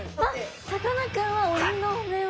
さかなクンは鬼のお面を。